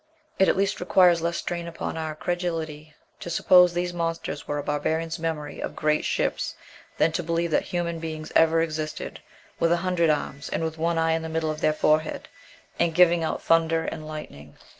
It at least requires less strain upon our credulity to suppose these monsters were a barbarian's memory of great ships than to believe that human beings ever existed with a hundred arms, and with one eye in the middle of the forehead, and giving out thunder and lightning.